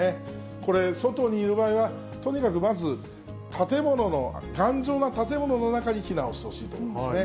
これ、外にいる場合は、とにかくまず、頑丈な建物の中に避難をしてほしいということですね。